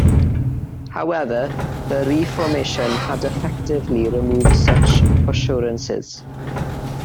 However, the Reformation had effectively removed such assurances.